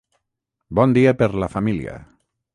Bon dia per la família.